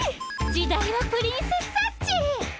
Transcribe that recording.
「時代はプリンセスサッチー！」。